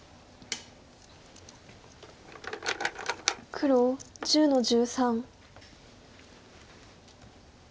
黒１０の十三。